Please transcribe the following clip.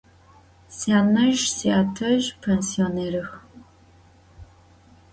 Syanezji syatezji pênsionêrıx.